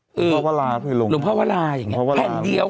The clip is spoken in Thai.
หรือว่าหรือหลวงพ่อเวลาหลวงพ่อเวลาอย่างเงี้ยแผ่นเดียว